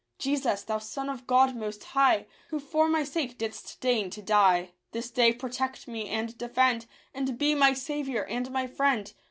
Jesus, thou Son of God most high, Who for my sake didst deign to die — This day protect me and defend, And be my Saviour and my Friend.